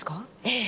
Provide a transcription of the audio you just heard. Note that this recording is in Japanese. ええ。